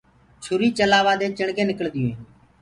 چوري چلآوآ دي چِڻگينٚ نِڪݪديونٚ هينٚ۔